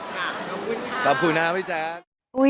ขอบคุณค่ะขอบคุณนะครับพี่แจ๊ค